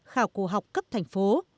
khảo cổ học cấp thành phố